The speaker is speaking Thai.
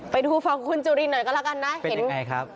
ไปดูฟังคุณจุลินหน่อยก็แล้วกันนะเห็นไงครับ